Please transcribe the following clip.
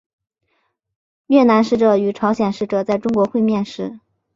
越南使者与朝鲜使者在中国会面时。